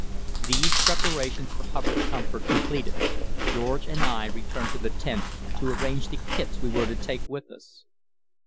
These preparations for Hubbard's comfort completed, George and I returned to the tent to arrange the kits we were to take with us.